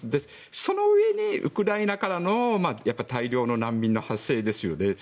そのうえにウクライナからの大量の難民の発生ですよね。